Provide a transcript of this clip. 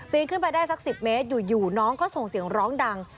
ขึ้นไปได้สัก๑๐เมตรอยู่น้องก็ส่งเสียงร้องดัง